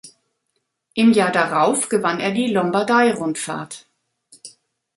Im Jahr darauf gewann er die Lombardei-Rundfahrt.